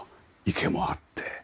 池もあって。